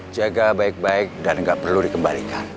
jaga baik baik dan gak perlu dikembalikan